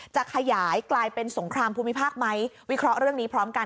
จะขยายกลายเป็นสงครามภูมิภาคไหมวิเคราะห์เรื่องนี้พร้อมกัน